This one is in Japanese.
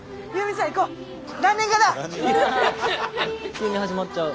急に始まっちゃう。